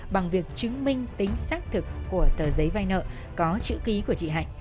bằng việc chứng minh tính xác thực của tờ giấy vai nợ có chữ ký của chị hạnh